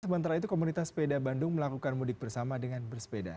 sementara itu komunitas sepeda bandung melakukan mudik bersama dengan bersepeda